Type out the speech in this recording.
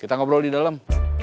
kita ngobrol di dalam